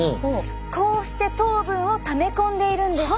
こうして糖分をため込んでいるんです。